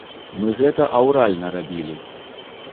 Мы гэта аўральна рабілі.